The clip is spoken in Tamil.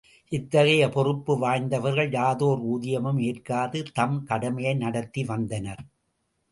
இத்தகைய பொறுப்பு வாய்ந்தவர்கள் யாதோர் ஊதியமும் ஏற்காது, தம் கடமையை நடத்தி வந்தனர்.